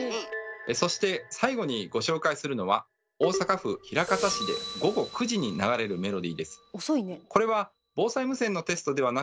そして最後にご紹介するのは大阪府枚方市で午後９時に流れるメロディーです。